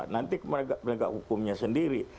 nanti penegak hukumnya sendiri